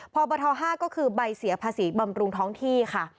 พบท๕ก็คือใบเสียภาษีบำรุงท้องที่ค่ะ